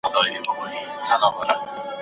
پیالې به نه وي شور به نه وي مست یاران به نه وي